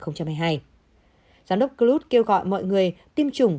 giám đốc klubb kêu gọi mọi người tiêm chủng